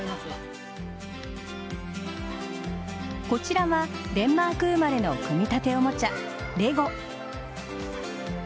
こちらはデンマーク生まれの組み立ておもちゃ・レゴ。